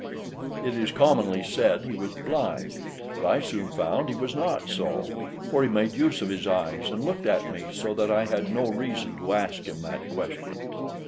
It is commonly said he was blind, but I soon found he was not so; for he made use of his eyes and looked at me, so that I had no reason to ask him that question.